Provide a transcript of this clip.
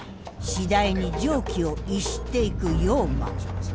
次第に常軌を逸していく陽馬。